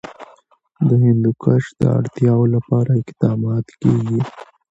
د هندوکش د اړتیاوو لپاره اقدامات کېږي.